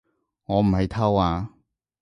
我唔係偷啊